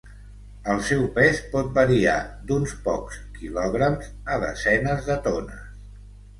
El seu pes pot variar d'uns pocs quilograms a desenes de tones.